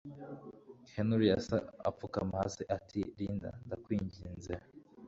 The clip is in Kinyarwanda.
Henry yahise apfukama hasi ati Linda ndakwinginze